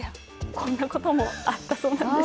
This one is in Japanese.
こんなこともあったそうなんです。